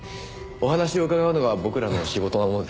お話を伺うのが僕らの仕事なもので。